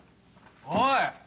おい！